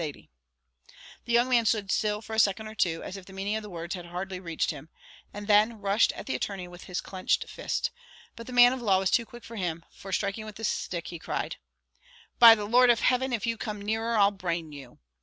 The young man stood still for a second or two, as if the meaning of the words had hardly reached him, and then rushed at the attorney with his clenched fist; but the man of law was too quick for him, for striking out with his stick, he cried, "By the Lord of heaven, if you come nearer I'll brain you!"